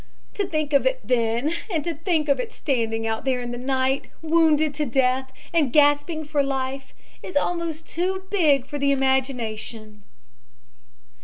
To think of it then and to think of it standing out there in the night, wounded to death and gasping for life, is almost too big for the imagination.